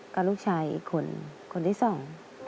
ก็ลูกชายอีกคนคนที่สอง